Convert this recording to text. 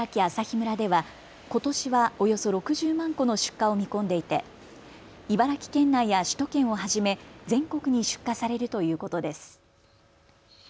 村ではことしはおよそ６０万個の出荷を見込んでいて茨城県内や首都圏をはじめ全国に出荷されるということです。